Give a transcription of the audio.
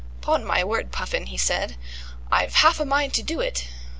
"'Pon my word, Puffin," he would say, "I've half a mind to do it.